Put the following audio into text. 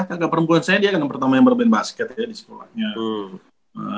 kakak perempuan saya dia kan pertama yang bermain basket ya di sekolahnya